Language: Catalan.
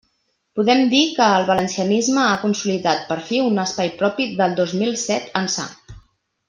Podem dir que el valencianisme ha consolidat per fi un espai propi del dos mil set ençà.